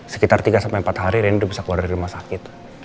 sekitar tiga sampai empat hari rindu bisa keluar dari rumah sakit